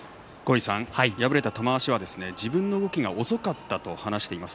敗れた玉鷲は自分の動きが遅かったと話しています。